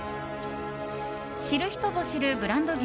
知る人ぞ知るブランド牛